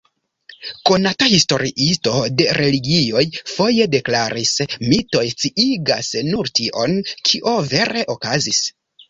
Konata historiisto de religioj foje deklaris: "Mitoj sciigas nur tion, kio vere okazis.